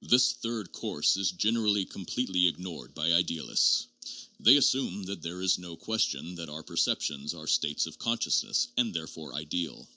This third course is generally completely ignored by idealists. They assume that there is no question that our perceptions are 'states of consciousness, ' and therefore ideal.